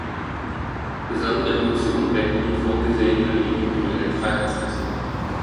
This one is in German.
Besondere Emotionen weckten die vorgesehenen individuellen Freiheitsrechte.